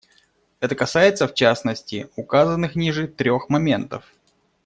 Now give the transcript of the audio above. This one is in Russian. Это касается, в частности, указанных ниже трех моментов.